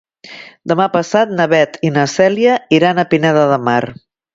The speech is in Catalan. Demà passat na Beth i na Cèlia iran a Pineda de Mar.